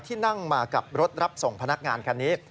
ที่นั่งมากับรถรับส่งพนักงานคันนี้